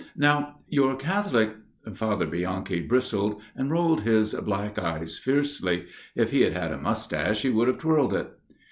Now your Catholic " Father Bianchi bristled, and rolled his black eyes fiercely. If he had had a moustache he would have twirled it.